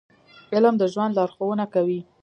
• علم د ژوند لارښوونه کوي.